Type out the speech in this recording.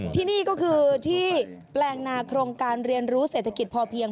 ที่นี่ก็คือที่แปลงนาโครงการเรียนรู้เศรษฐกิจพอเพียง